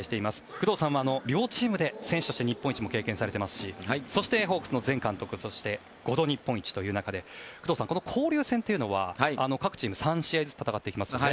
工藤さんは両チームで選手として日本一も経験されていますしそして、ホークスの前監督そして、５度日本一ということで工藤さん、交流戦というのは各チーム３試合ずつ戦っていきますよね。